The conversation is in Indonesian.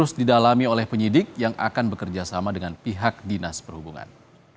terus didalami oleh penyidik yang akan bekerjasama dengan pihak dinas perhubungan